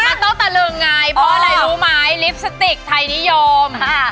มันต้องตะลึงไงเพราะอะไรรู้ไหมลิปสติกไทยนิยม